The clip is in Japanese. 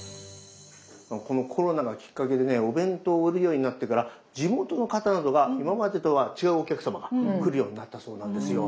このコロナがきっかけでねお弁当を売るようになってから地元の方などが今までとは違うお客様が来るようになったそうなんですよ。